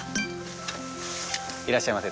いらっしゃいませ。